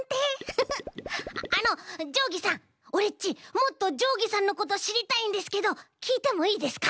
もっとじょうぎさんのことしりたいんですけどきいてもいいですか？